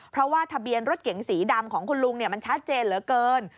เพราะว่าทะเบียนรถเก๋งสีดำของคุณลุงมันชัดเจนเหลือเกิน